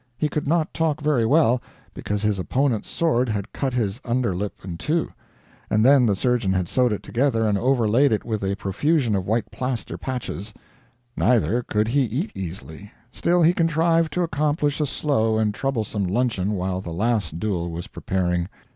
He could not talk very well, because his opponent's sword had cut his under lip in two, and then the surgeon had sewed it together and overlaid it with a profusion of white plaster patches; neither could he eat easily, still he contrived to accomplish a slow and troublesome luncheon while the last duel was preparing.